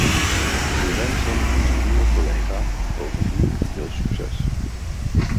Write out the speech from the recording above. We wensen onze nieuwe collega bovendien veel succes.